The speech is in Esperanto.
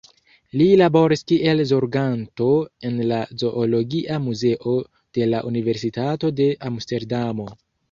Li laboris kiel zorganto en la zoologia muzeo de la Universitato de Amsterdamo.